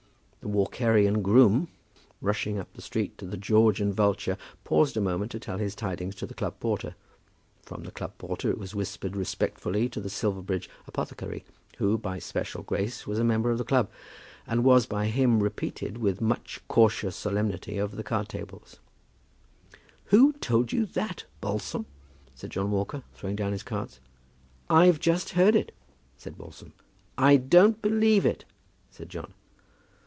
The Walkerian groom, rushing up the street to the "George and Vulture," paused a moment to tell his tidings to the club porter; from the club porter it was whispered respectfully to the Silverbridge apothecary, who, by special grace, was a member of the club; and was by him repeated with much cautious solemnity over the card table. "Who told you that, Balsam?" said John Walker, throwing down his cards. "I've just heard it," said Balsam. "I don't believe it," said John.